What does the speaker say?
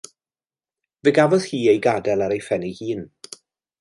Fe gafodd hi ei gadael ar ei phen ei hun.